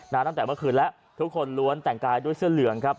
ตั้งแต่เมื่อคืนแล้วทุกคนล้วนแต่งกายด้วยเสื้อเหลืองครับ